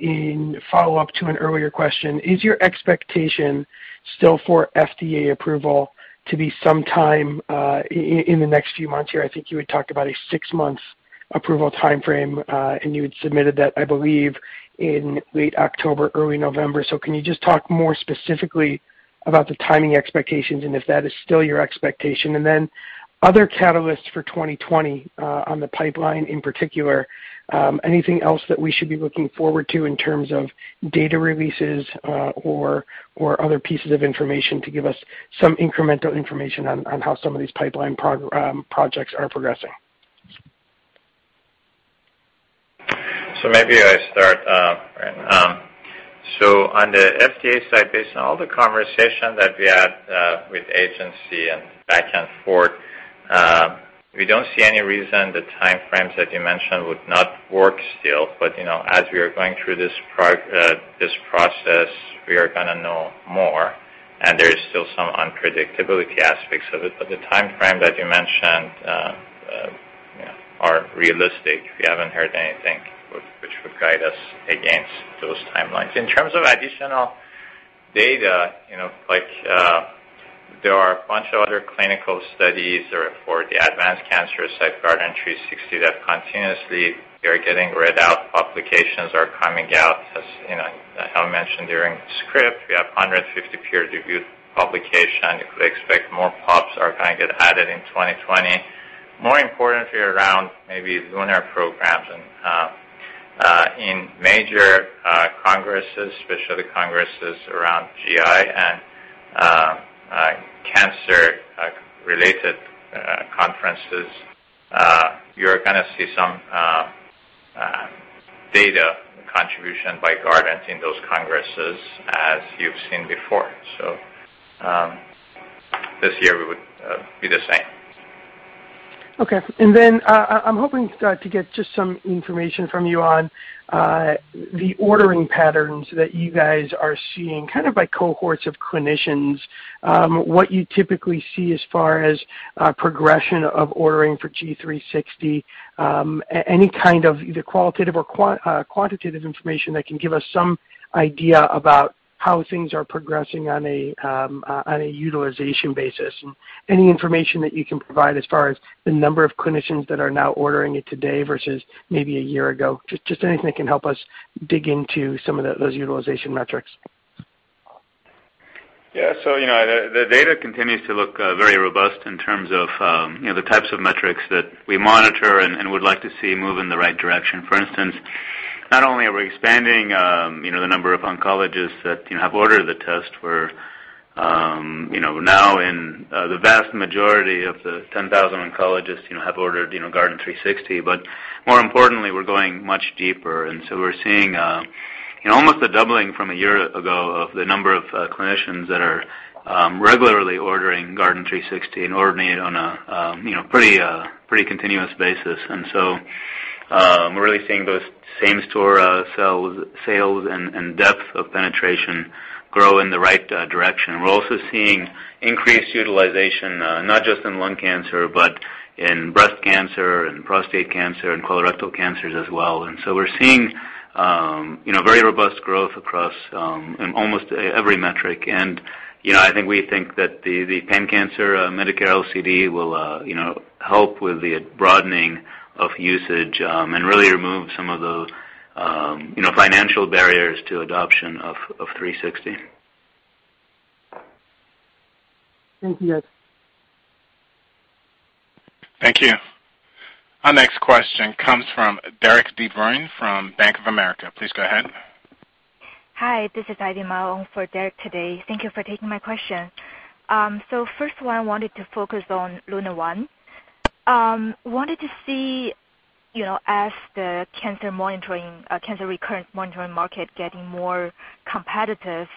In follow-up to an earlier question, is your expectation still for FDA approval to be sometime in the next few months here? I think you had talked about a six months approval timeframe, and you had submitted that, I believe, in late October, early November. Can you just talk more specifically about the timing expectations, and if that is still your expectation? Other catalysts for 2020 on the pipeline, in particular, anything else that we should be looking forward to in terms of data releases or other pieces of information to give us some incremental information on how some of these pipeline projects are progressing? Maybe I start, Brian. On the FDA side, based on all the conversation that we had with agency and back and forth, we don't see any reason the time frames that you mentioned would not work still. As we are going through this process, we are going to know more, and there is still some unpredictability aspects of it. The time frame that you mentioned are realistic. We haven't heard anything which would guide us against those timelines. In terms of additional data, there are a bunch of other clinical studies for the advanced cancer site Guardant360 that continuously they're getting read out, publications are coming out. As Helmy mentioned during script, we have 150 peer-reviewed publication. You could expect more pubs are going to get added in 2020. More importantly around maybe Lunar programs and in major congresses, especially congresses around GI and cancer-related conferences, you're going to see some data contribution by Guardant in those congresses as you've seen before. This year we would be the same. Okay. I'm hoping, Doug, to get just some information from you on the ordering patterns that you guys are seeing, kind of by cohorts of clinicians. What you typically see as far as progression of ordering for Guardant360. Any kind of either qualitative or quantitative information that can give us some idea about how things are progressing on a utilization basis, and any information that you can provide as far as the number of clinicians that are now ordering it today versus maybe a year ago. Just anything that can help us dig into some of those utilization metrics. Yeah. The data continues to look very robust in terms of the types of metrics that we monitor and would like to see move in the right direction. We are expanding the number of oncologists that have ordered the test, where now the vast majority of the 10,000 oncologists have ordered Guardant360. More importantly, we're going much deeper. We're seeing almost a doubling from a year ago of the number of clinicians that are regularly ordering Guardant360 and ordering it on a pretty continuous basis. We're really seeing those same store sales and depth of penetration grow in the right direction. We're also seeing increased utilization, not just in lung cancer, but in breast cancer and prostate cancer and colorectal cancers as well. I think we think that the pan-cancer Medicare LCD will help with the broadening of usage and really remove some of those financial barriers to adoption of 360. Thank you. Thank you. Our next question comes from Derek De Bruin from Bank of America. Please go ahead. Hi, this is Ivy Ma for Derek today. Thank you for taking my question. First of all, I wanted to focus on LUNAR-1. Wanted to see, as the cancer recurrence monitoring market getting more competitive,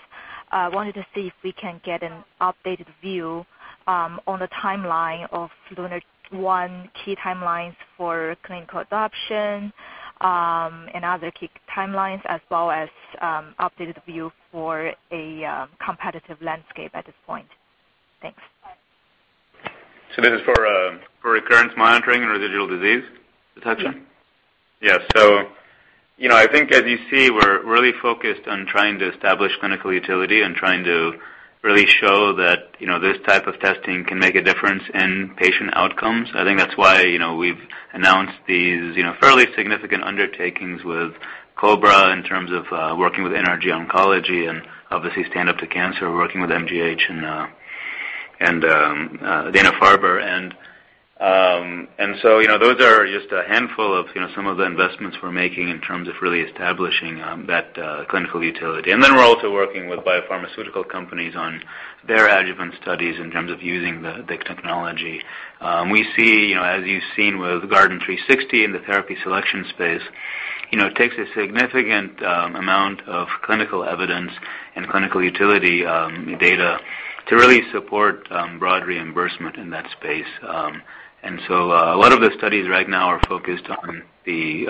wanted to see if we can get an updated view on the timeline of LUNAR-1, key timelines for clinical adoption and other key timelines as well as updated view for a competitive landscape at this point. Thanks. This is for recurrence monitoring and residual disease detection? Yeah. I think as you see, we're really focused on trying to establish clinical utility and trying to really show that this type of testing can make a difference in patient outcomes. I think that's why we've announced these fairly significant undertakings with COBRA in terms of working with NRG Oncology and obviously Stand Up To Cancer, working with MGH and Dana-Farber. Those are just a handful of some of the investments we're making in terms of really establishing that clinical utility. Then we're also working with biopharmaceutical companies on their adjuvant studies in terms of using the technology. We see, as you've seen with Guardant360 in the therapy selection space, it takes a significant amount of clinical evidence and clinical utility data to really support broad reimbursement in that space. A lot of the studies right now are focused on the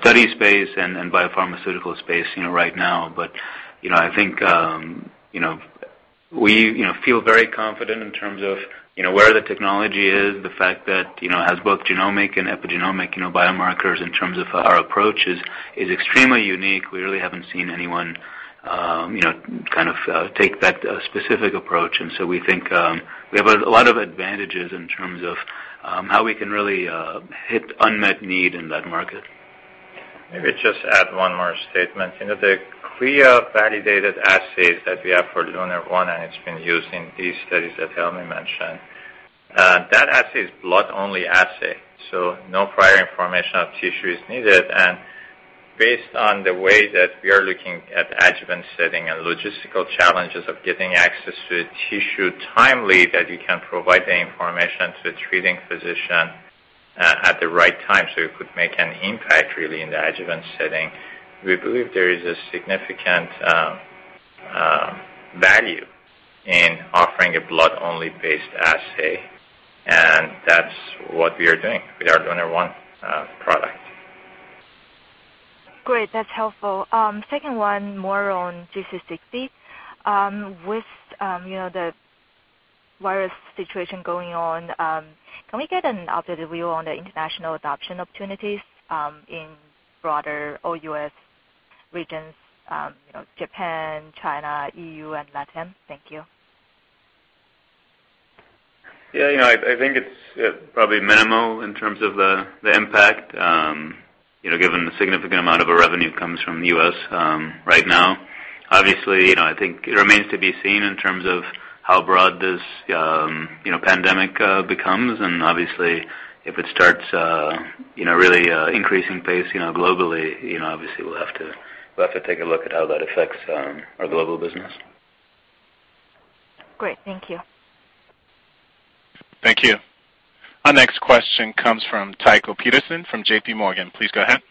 study space and biopharmaceutical space right now. I think we feel very confident in terms of where the technology is, the fact that it has both genomic and epigenomic biomarkers in terms of our approach is extremely unique. We really haven't seen anyone take that specific approach, and so we think we have a lot of advantages in terms of how we can really hit unmet need in that market. Maybe just add one more statement. The clear validated assays that we have for LUNAR-1, it's been used in these studies that Helmy mentioned. That assay is blood-only assay, so no prior information of tissue is needed. Based on the way that we are looking at the adjuvant setting and logistical challenges of getting access to the tissue timely, that we can provide the information to the treating physician at the right time, so it could make an impact really in the adjuvant setting. We believe there is a significant value in offering a blood-only based assay, and that's what we are doing with our LUNAR-1 product. Great. That's helpful. Second one, more on 360. With the virus situation going on, can we get an updated view on the international adoption opportunities in broader or U.S. regions, Japan, China, EU, and LATAM? Thank you. Yeah. I think it's probably minimal in terms of the impact given the significant amount of our revenue comes from the U.S. right now. Obviously, I think it remains to be seen in terms of how broad this pandemic becomes, and obviously, if it starts really increasing pace globally, obviously we'll have to take a look at how that affects our global business. Great. Thank you. Thank you. Our next question comes from Tycho Peterson from JPMorgan. Please go ahead.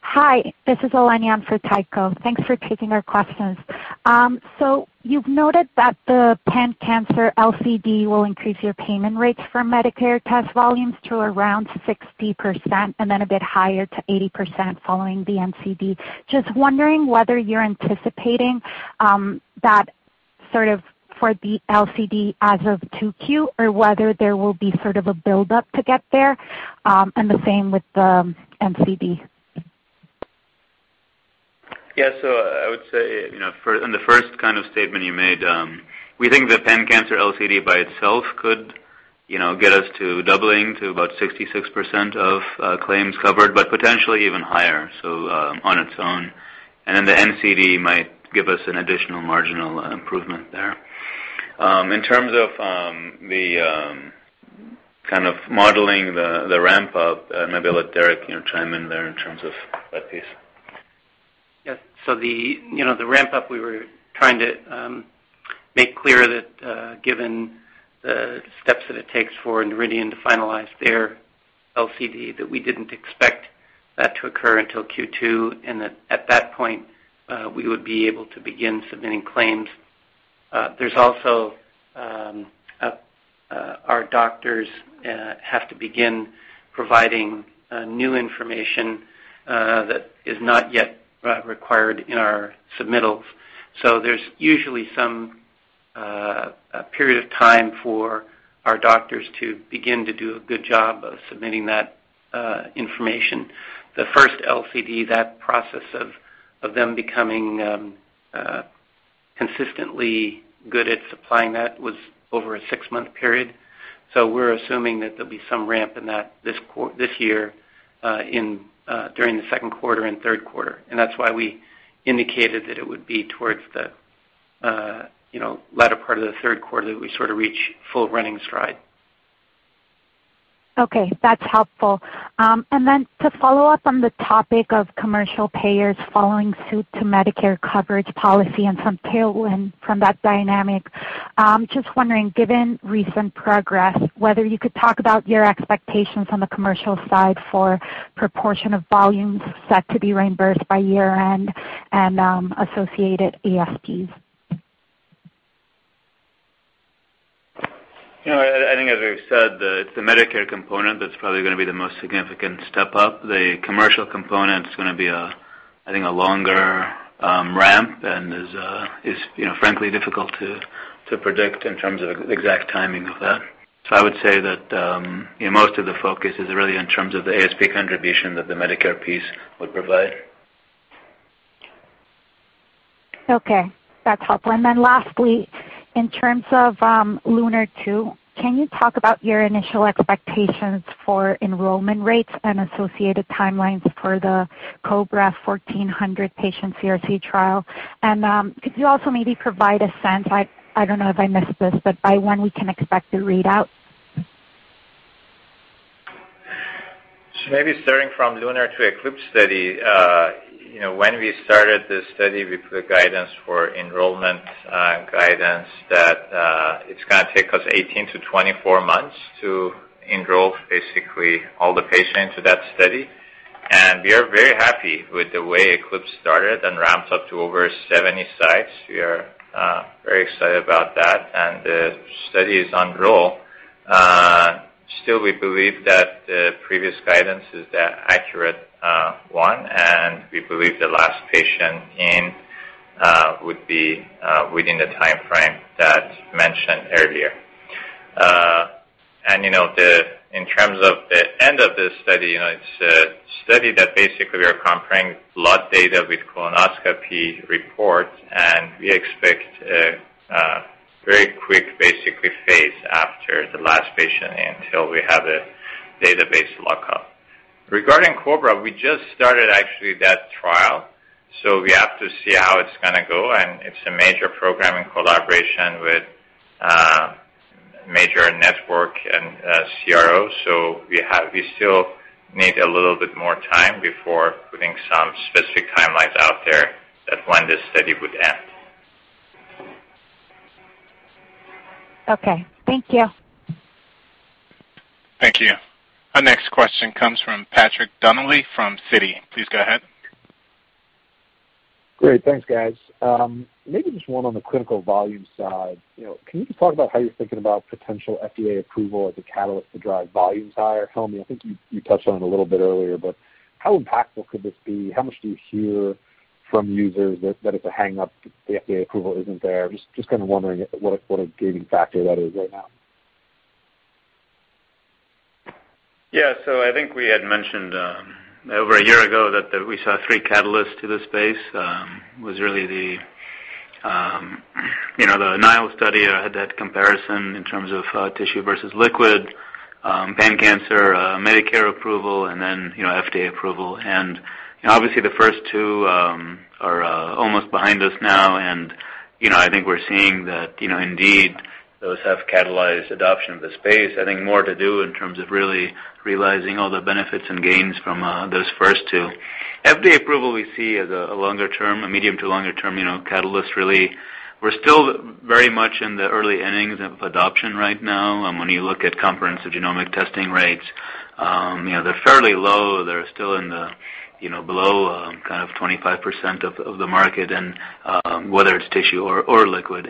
Hi, this is Elena on for Tycho. Thanks for taking our questions. You've noted that the pan-cancer LCD will increase your payment rates for Medicare test volumes to around 60% and then a bit higher to 80% following the NCD. Just wondering whether you're anticipating that sort of for the LCD as of 2Q or whether there will be sort of a buildup to get there, and the same with the NCD. Yeah. I would say, on the first kind of statement you made, we think the pan-cancer LCD by itself could get us to doubling to about 66% of claims covered, but potentially even higher. on its own. The NCD might give us an additional marginal improvement there. In terms of the modeling the ramp-up, maybe I'll let Derek chime in there in terms of that piece. Yes. The ramp-up, we were trying to make clear that given the steps that it takes for Noridian to finalize their LCD, that we didn't expect that to occur until Q2, and that at that point, we would be able to begin submitting claims. There's also our doctors have to begin providing new information that is not yet required in our submittal. There's usually some period of time for our doctors to begin to do a good job of submitting that information. The first LCD, that process of them becoming consistently good at supplying that was over a six-month period. We're assuming that there'll be some ramp in that this year during the second quarter and third quarter. That's why we indicated that it would be towards the latter part of the third quarter that we sort of reach full running stride. Okay, that's helpful. To follow up on the topic of commercial payers following suit to Medicare coverage policy and some tailwind from that dynamic, just wondering, given recent progress, whether you could talk about your expectations on the commercial side for proportion of volumes set to be reimbursed by year-end and associated ASPs. I think as I said, it's the Medicare component that's probably going to be the most significant step up. The commercial component's going to be, I think, a longer ramp and is frankly difficult to predict in terms of exact timing of that. I would say that most of the focus is really in terms of the ASP contribution that the Medicare piece would provide. Okay. That's helpful. Lastly, in terms of LUNAR-2, can you talk about your initial expectations for enrollment rates and associated timelines for the COBRA 1400 patient CRC trial? Could you also maybe provide a sense, I don't know if I missed this, but by when we can expect the readout? Maybe starting from LUNAR-2 ECLIPSE study. When we started this study, we put guidance for enrollment guidance that it's going to take us 18 to 24 months to enroll basically all the patients into that study. We are very happy with the way ECLIPSE started and ramps up to over 70 sites. The study is on roll. Still, we believe that the previous guidance is the accurate one, and we believe the last patient in would be within the timeframe that's mentioned earlier. In terms of the end of this study, it's a study that basically we are comparing blood data with colonoscopy reports, and we expect a very quick basically phase after the last patient in till we have a database lockup. Regarding COBRA, we just started actually that trial. We have to see how it's going to go. It's a major program in collaboration with a major network and CRO. We still need a little bit more time before putting some specific timelines out there at when this study would end. Okay. Thank you. Thank you. Our next question comes from Patrick Donnelly from Citi. Please go ahead. Great. Thanks, guys. Maybe just one on the clinical volume side. Can you just talk about how you're thinking about potential FDA approval as a catalyst to drive volumes higher? Helmy, I think you touched on it a little bit earlier. How impactful could this be? How much do you hear from users that it's a hang-up if the FDA approval isn't there? Just kind of wondering what a gating factor that is right now. Yeah. I think we had mentioned over a year ago that we saw three catalysts to this space. It was really the NILE study or that comparison in terms of tissue versus liquid, pan-cancer, Medicare approval, and then FDA approval. Obviously the first two are almost behind us now, and I think we're seeing that indeed those have catalyzed adoption of the space. I think more to do in terms of really realizing all the benefits and gains from those first two. FDA approval we see as a longer-term, a medium-to-longer-term catalyst, really. We're still very much in the early innings of adoption right now. When you look at comprehensive genomic testing rates, they're fairly low. They're still below kind of 25% of the market, and whether it's tissue or liquid.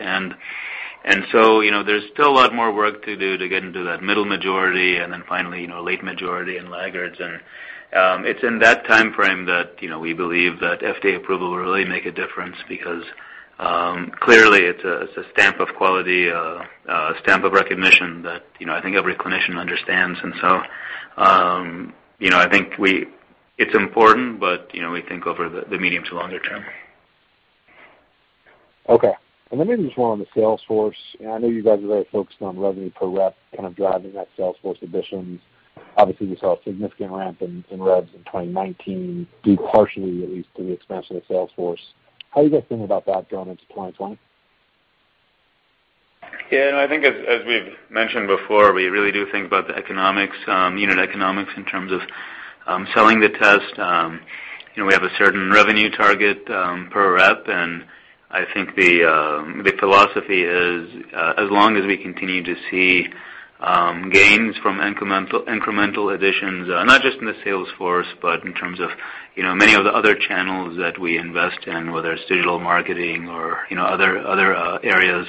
There's still a lot more work to do to get into that middle majority, and then finally late majority and laggards. It's in that timeframe that we believe that FDA approval will really make a difference because clearly it's a stamp of quality, a stamp of recognition that I think every clinician understands. I think it's important, but we think over the medium to longer term. Okay. Maybe just one on the sales force. I know you guys are very focused on revenue per rep, driving that sales force additions. Obviously, we saw a significant ramp in revs in 2019, due partially at least to the expansion of the sales force. How are you guys thinking about that going into 2020? Yeah, I think as we've mentioned before, we really do think about the unit economics in terms of selling the test. We have a certain revenue target per rep, and I think the philosophy is, as long as we continue to see gains from incremental additions, not just in the sales force, but in terms of many of the other channels that we invest in, whether it's digital marketing or other areas,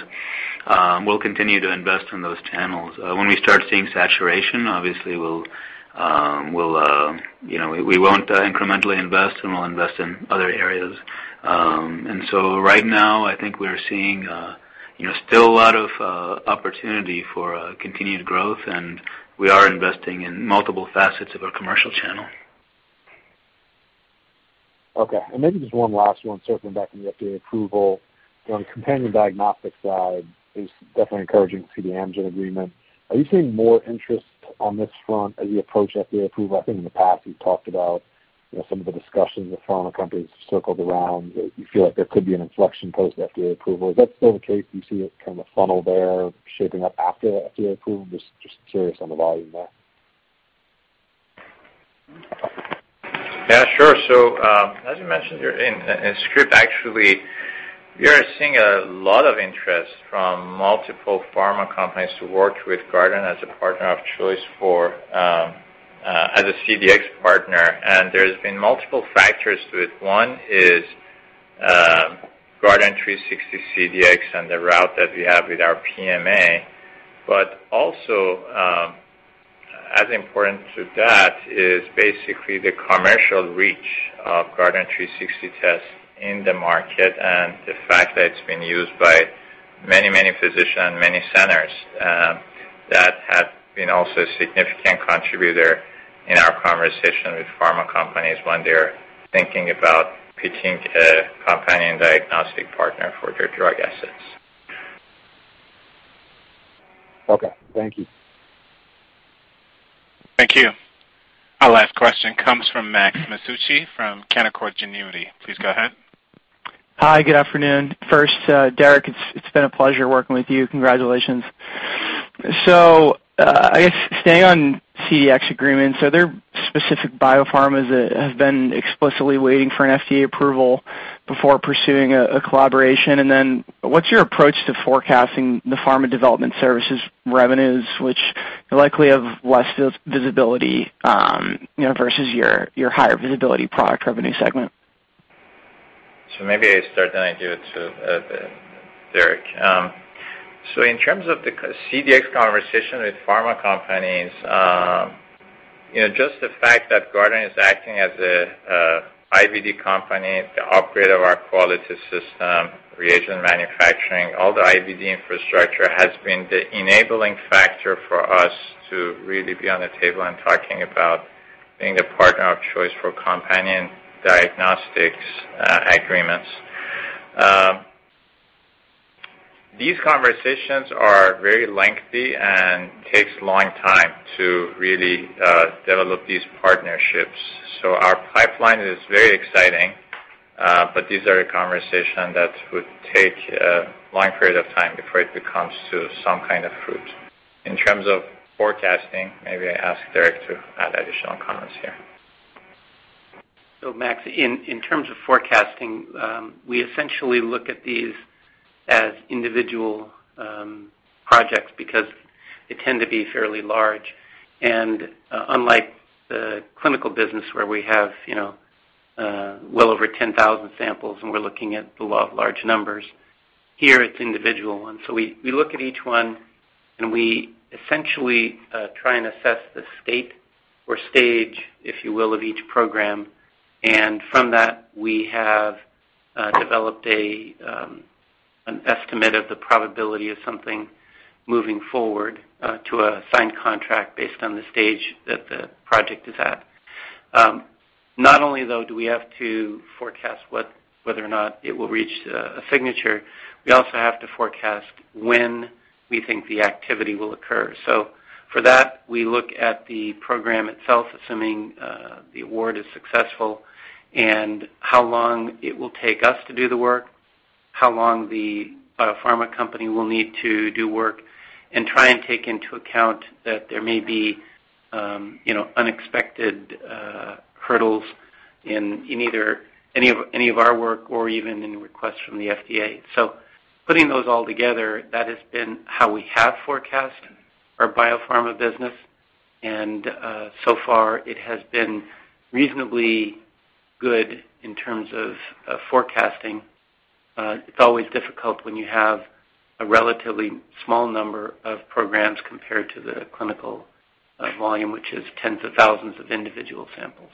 we'll continue to invest in those channels. When we start seeing saturation, obviously we won't incrementally invest, and we'll invest in other areas. Right now, I think we're seeing still a lot of opportunity for continued growth, and we are investing in multiple facets of our commercial channel. Okay. Maybe just one last one circling back on the FDA approval. On the companion diagnostics side, it was definitely encouraging to see the Amgen agreement. Are you seeing more interest on this front as you approach FDA approval? I think in the past, you've talked about some of the discussions with pharma companies circled around, you feel like there could be an inflection post FDA approval. Is that still the case? Do you see a funnel there shaping up after the FDA approval? Just curious on the volume there. As you mentioned, in script, actually, we are seeing a lot of interest from multiple pharma companies to work with Guardant as a partner of choice as a CDx partner. There's been multiple factors to it. One is Guardant360 CDx and the route that we have with our PMA. Also, as important to that is basically the commercial reach of Guardant360 tests in the market and the fact that it's been used by many physician and many centers. That has been also a significant contributor in our conversation with pharma companies when they're thinking about picking a companion diagnostic partner for their drug assets. Okay. Thank you. Thank you. Our last question comes from Max Masucci from Canaccord Genuity. Please go ahead. Hi, good afternoon. First, Derek, it's been a pleasure working with you. Congratulations. I guess staying on CDx agreements, are there specific biopharmas that have been explicitly waiting for an FDA approval before pursuing a collaboration? What's your approach to forecasting the pharma development services revenues, which likely have less visibility, versus your higher visibility product revenue segment? Maybe I start, then I give it to Derek. In terms of the CDx conversation with pharma companies, just the fact that Guardant is acting as a IVD company, the upgrade of our quality system, reagent manufacturing, all the IVD infrastructure has been the enabling factor for us to really be on the table and talking about being the partner of choice for companion diagnostics agreements. These conversations are very lengthy and takes a long time to really develop these partnerships. Our pipeline is very exciting. These are a conversation that would take a long period of time before it becomes to some kind of fruit. In terms of forecasting, maybe I ask Derek to add additional comments here. Max, in terms of forecasting, we essentially look at these as individual projects because they tend to be fairly large. Unlike the clinical business where we have well over 10,000 samples and we're looking at the law of large numbers, here it's individual ones. We look at each one and we essentially try and assess the state or stage, if you will, of each program. From that, we have developed an estimate of the probability of something moving forward to a signed contract based on the stage that the project is at. Not only though do we have to forecast whether or not it will reach a signature, we also have to forecast when we think the activity will occur. for that, we look at the program itself, assuming the award is successful and how long it will take us to do the work, how long the biopharma company will need to do work, and try and take into account that there may be unexpected hurdles in either any of our work or even any requests from the FDA. putting those all together, that has been how we have forecast our biopharma business. so far it has been reasonably good in terms of forecasting. It's always difficult when you have a relatively small number of programs compared to the clinical volume, which is tens of thousands of individual samples.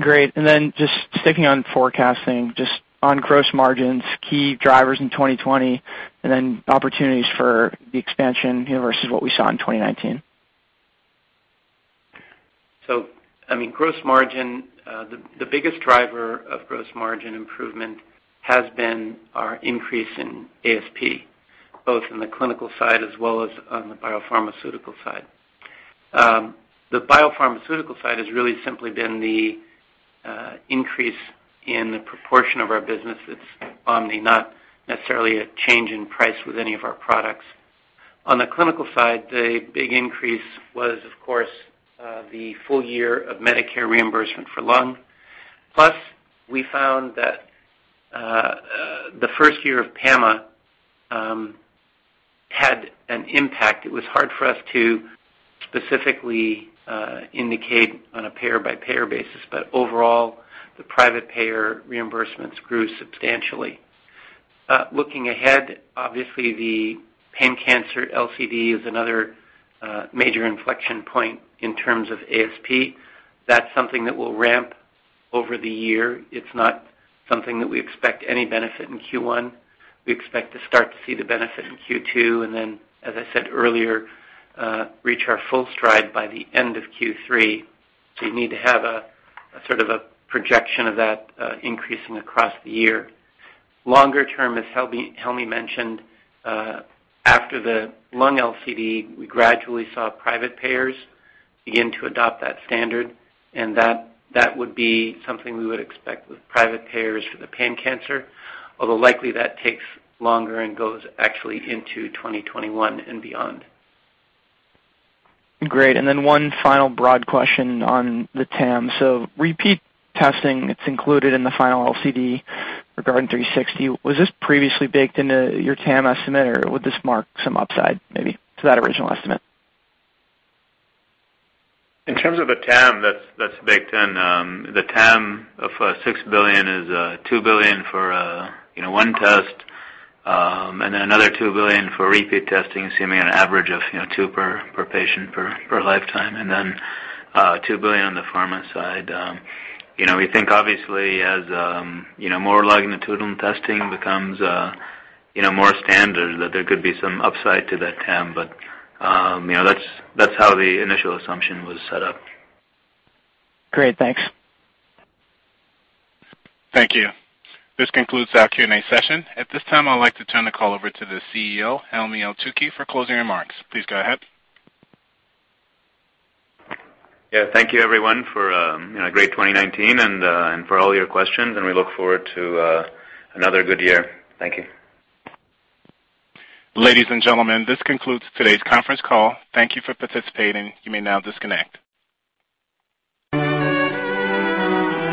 Great. just sticking on forecasting, just on gross margins, key drivers in 2020, and then opportunities for the expansion versus what we saw in 2019? The biggest driver of gross margin improvement has been our increase in ASP, both in the clinical side as well as on the biopharmaceutical side. The biopharmaceutical side has really simply been the increase in the proportion of our business that's OMNI, not necessarily a change in price with any of our products. On the clinical side, the big increase was, of course, the full year of Medicare reimbursement for lung. Plus, we found that the first year of PAMA had an impact. It was hard for us to specifically indicate on a payer-by-payer basis, but overall, the private payer reimbursements grew substantially. Looking ahead, obviously the pan-cancer LCD is another major inflection point in terms of ASP. That's something that will ramp over the year. It's not something that we expect any benefit in Q1. We expect to start to see the benefit in Q2, and then, as I said earlier, reach our full stride by the end of Q3. You need to have a sort of a projection of that increasing across the year. Longer term, as Helmy mentioned, after the lung LCD, we gradually saw private payers begin to adopt that standard, and that would be something we would expect with private payers for the pan-cancer, although likely that takes longer and goes actually into 2021 and beyond. Great. one final broad question on the TAM. repeat testing, it's included in the final LCD regarding 360. Was this previously baked into your TAM estimate, or would this mark some upside, maybe, to that original estimate? In terms of the TAM, that's baked in. The TAM of six billion is two billion for one test, and then another two billion for repeat testing, assuming an average of two per patient per lifetime, and then two billion on the pharma side. We think obviously as more longitudinal testing becomes more standard, that there could be some upside to that TAM, but that's how the initial assumption was set up. Great, thanks. Thank you. This concludes our Q&A session. At this time, I'd like to turn the call over to the CEO, Helmy Eltoukhy, for closing remarks. Please go ahead. Yeah. Thank you, everyone, for a great 2019 and for all your questions, and we look forward to another good year. Thank you. Ladies and gentlemen, this concludes today's conference call. Thank you for participating. You may now disconnect.